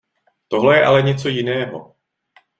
Tohle je ale něco jiného.